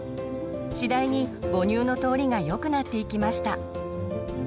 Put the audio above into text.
次第に母乳の通りがよくなっていきました。